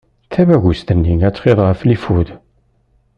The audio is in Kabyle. Tabagust-nni, ad txiḍ ɣef lifud.